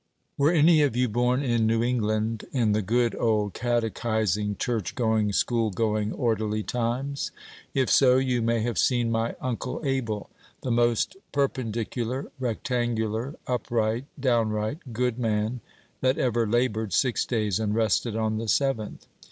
Were any of you born in New England, in the good old catechizing, church going, school going, orderly times? If so, you may have seen my Uncle Abel; the most perpendicular, rectangular, upright, downright good man that ever labored six days and rested on the seventh.